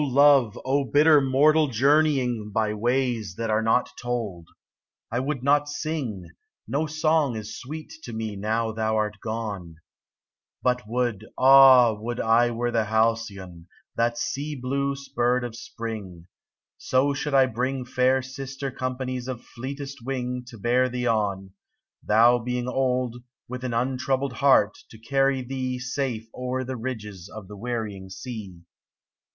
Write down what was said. OLOVE, o bitter, mortal journeying By ways that are not told I I would not sing, no song is sweet to me Now thou art gone : 34 But would, ah would I were the halcyon, That sea blue bird of spring, So should I bring Fair sister companies of fleetest wing To bear thee on. Thou being old, With an untroubled heart to carry thee Safe o'er the ridges of the wearying sea.